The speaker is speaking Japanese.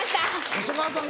細川さん